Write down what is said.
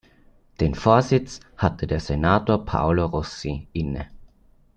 Den Vorsitz hatte der Senator Paolo Rossi inne.